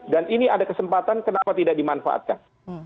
dan ini ada kesempatan kenapa tidak dimanfaatkan